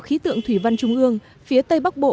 khí tượng thủy văn trung ương phía tây bắc bộ